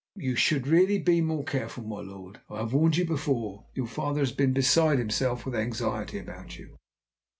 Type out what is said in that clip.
"You should really be more careful, my lord. I have warned you before. Your father has been nearly beside himself with anxiety about you!"